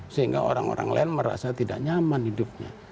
sehingga orang orang lain merasa tidak nyaman hidupnya